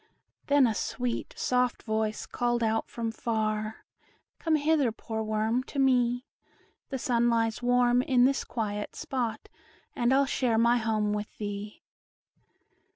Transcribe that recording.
Then a sweet, soft voice, called out from far, "Come hither, poor worm, to me; The sun lies warm in this quiet spot, And I'll share my home with thee."